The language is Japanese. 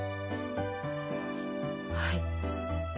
はい。